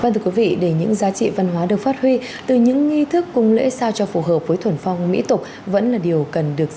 thưa quý vị để những giá trị văn hóa được phát huy từ những nghi thức cung lễ sao cho phù hợp với thuần phong mỹ tục vẫn là điều cần được